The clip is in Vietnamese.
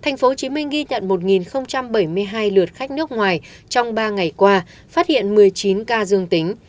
tp hcm ghi nhận một bảy mươi hai lượt khách nước ngoài trong ba ngày qua phát hiện một mươi chín ca dương tính